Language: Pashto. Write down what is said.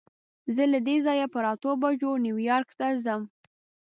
زه له دې ځایه پر اتو بجو نیویارک ته ځم.